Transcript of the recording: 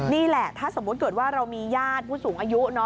นี่แหละถ้าสมมุติเกิดว่าเรามีญาติผู้สูงอายุ